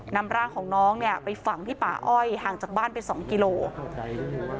นำร่างของน้องเนี่ยไปฝังที่ป่าอ้อยห่างจากบ้านไปสองกิโลกรัม